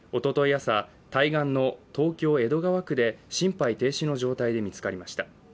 朝、対岸の東京・江戸川区で心肺停止の状態で見つかりました。